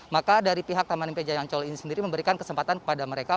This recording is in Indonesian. maka dari pihak taman impi jaya ancol ini sendiri memberikan kesempatan kepada mereka